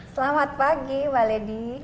selamat pagi mbak ledi